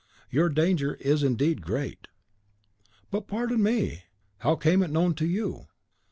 Your danger is indeed great." "But pardon me! how came it known to you?"